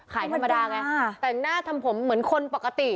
ธรรมดาไงแต่งหน้าทำผมเหมือนคนปกติ